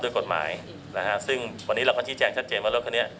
ด้วยกฎหมายซึ่งวันนี้เราก็ที่แจ้งชัดเจนว่ารถคันนี้